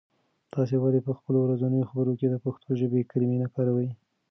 تاسې ولې په خپلو ورځنیو خبرو کې د پښتو ژبې کلمې نه کاروئ؟